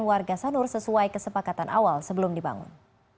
warga sanur sesuai kesepakatan awal sebelum dibangun